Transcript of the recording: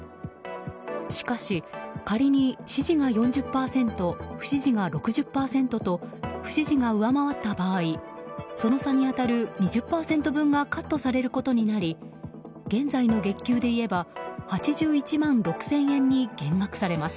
しかし、仮に支持が４０％不支持が６０％と不支持が上回った場合その差に当たる２０％分がカットされることになり現在の月給でいえば８１万６０００円に減額されます。